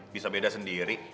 bisa beda sendiri